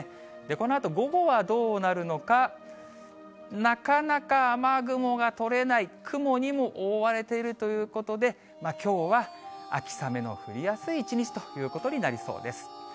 このあと午後はどうなるのか、なかなか雨雲が取れない、雲にも覆われているということで、きょうは秋雨の降りやすい一日ということになりそうです。